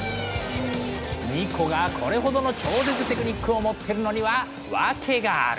ニコがこれほどの超絶テクニックを持ってるのには訳がある。